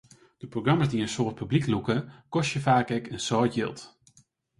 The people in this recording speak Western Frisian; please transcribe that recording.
De programma's dy't in soad publyk lûke, kostje faak ek in soad jild.